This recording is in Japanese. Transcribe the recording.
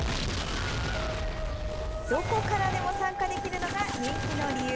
どこからでも参加できるのが人気の理由。